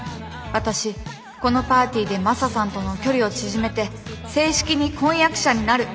私このパーティーでマサさんとの距離を縮めて正式に婚約者になる！